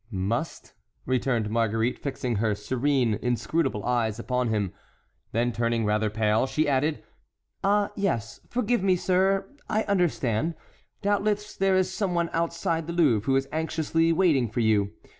"Must," returned Marguerite, fixing her serene, inscrutable eyes upon him; then turning rather pale she added, "ah, yes; forgive me, sir, I understand; doubtless there is some one outside the Louvre who is anxiously waiting for you.